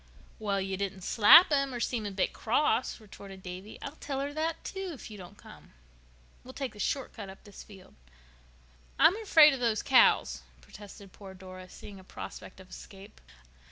"Well, you didn't slap him or seem a bit cross," retorted Davy. "I'll tell her that, too, if you don't come. We'll take the short cut up this field." "I'm afraid of those cows," protested poor Dora, seeing a prospect of escape.